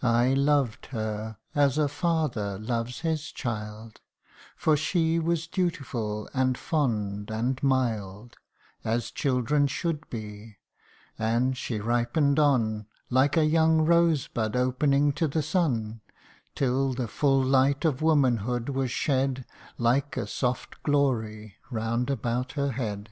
THE UNDYING ONE. I loved her, as a father loves his child : For she was dutiful, and fond, and mild, As children should be and she ripen'd on Like a young rosebud opening to the sun ; Till the full light of womanhood was shed, Like a soft glory, round about her head.